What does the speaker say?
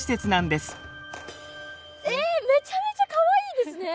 えめちゃめちゃかわいいですね。